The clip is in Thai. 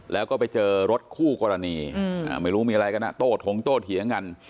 แล้วก็ไปเจอรถคู่กรณีไม่รู้มีอะไรกันนะโต้ถงโตเถียงกัน